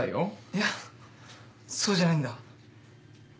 いやそうじゃないんだ。